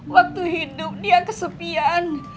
waktu hidup dia kesepian